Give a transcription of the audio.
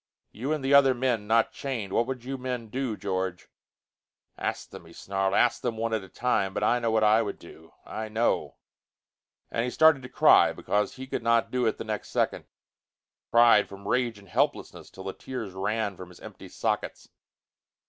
You and the other men not chained? What would you men do, George?" "Ask them," he snarled. "Ask them, one at a time. But I know what I would do. I know!" And he started to cry, because he could not do it the next second; cried from rage and helplessness till the tears ran from his empty sockets.